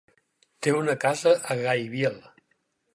Té una casa a Gaibiel.